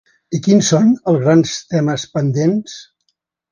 I quins són els grans temes pendents?